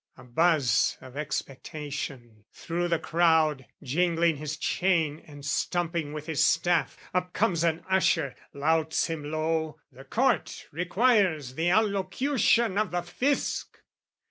A buzz of expectation! Through the crowd, Jingling his chain and stumping with his staff, Up comes an usher, louts him low, "The Court "Requires the allocution of the Fisc!"